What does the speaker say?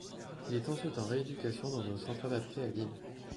Il est ensuite en rééducation dans un centre adapté à Lille.